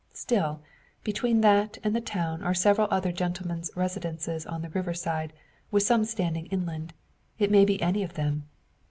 Still, between that and the town are several other gentlemen's residences on the river side, with some standing inland. It may be any of them.